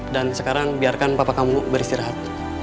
dan sekarang biarkan papa kamu beristirahat